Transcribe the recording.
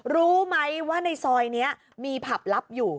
รู้ไหมว่าในซอยนี้มีผับลับอยู่